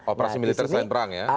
operasi militer selain perang ya